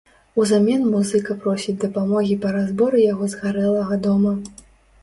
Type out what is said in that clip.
Узамен музыка просіць дапамогі па разборы яго згарэлага дома.